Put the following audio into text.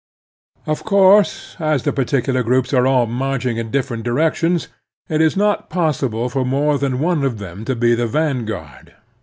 Of course, as the particular groups are all marching in different directions, it is not possible for more than one of them to be the vanguard.